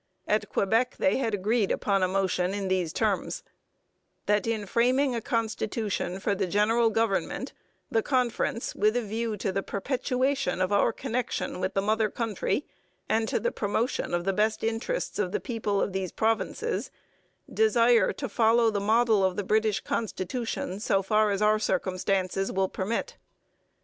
At Quebec they had agreed upon a motion in these terms: That in framing a constitution for the general government, the conference, with a view to the perpetuation of our connection with the Mother Country and to the promotion of the best interests of the people of these provinces, desire to follow the model of the British constitution, so far as our circumstances will permit.